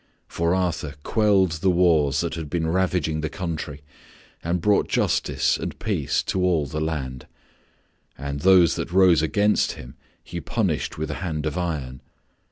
For Arthur quelled the wars that had been ravaging the country and brought justice and peace to all the land; and those that rose against him he punished with a hand of iron.